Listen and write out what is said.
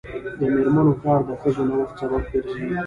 د میرمنو کار د ښځو نوښت سبب ګرځي.